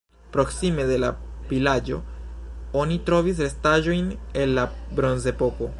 Proksime de la vilaĝo oni trovis restaĵojn el la bronzepoko.